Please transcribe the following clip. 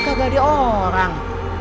kagak ada orang